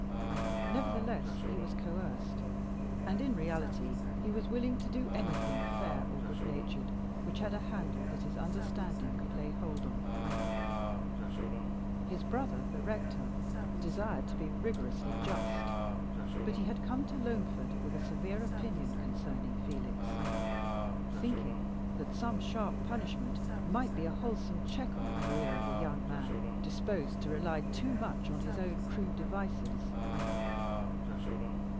Nevertheless he was coerced; and in reality he was willing to do anything fair or good natured which had a handle that his understanding could lay hold of. His brother, the rector, desired to be rigorously just; but he had come to Loamford with a severe opinion concerning Felix, thinking that some sharp punishment might be a wholesome check on the career of a young man disposed to rely too much on his own crude devices.